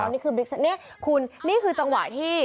อ๋อนี่คือนี่คุณนี่คือจังหวะที่